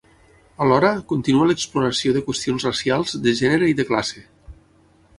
Alhora, continua l'exploració de qüestions racials, de gènere i de classe.